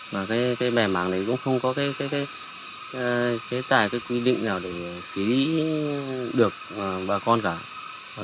mà cái bè mảng này cũng không có cái tài quy định nào để xí được bà con cả